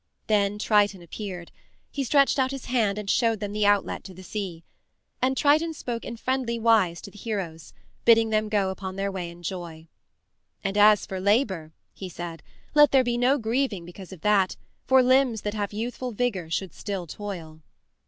Then Triton appeared. He stretched out his hand and showed them the outlet to the sea. And Triton spoke in friendly wise to the heroes, bidding them go upon their way in joy. "And as for labor," he said, "let there be no grieving because of that, for limbs that have youthful vigor should still toil."